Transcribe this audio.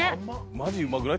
マジうまくない？